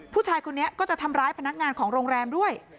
ผู้ชายคนนี้ก็จะทำร้ายพนักงานของโรงแรมด้วย